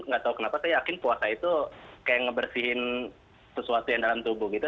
nggak tahu kenapa saya yakin puasa itu kayak ngebersihin sesuatu yang dalam tubuh gitu